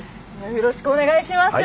よろしくお願いします。